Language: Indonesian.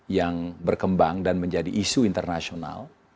yang berkembang dan menjadi isu internasional